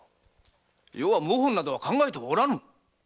余は謀反など考えてはおらぬ！